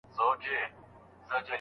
ډیپلوماټان څنګه د ښځو حقونه خوندي ساتي؟